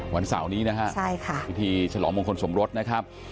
วันเสาร์นี้นะฮะใช่ค่ะพิธีฉลองมงคลสมรสนะครับ